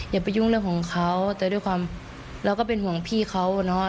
อย่าไปยุ่งเรื่องของเขาแต่ด้วยความเราก็เป็นห่วงพี่เขาเนอะ